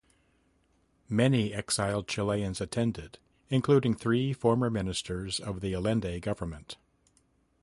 Many exiled Chileans attended, including three former ministers of the Allende government.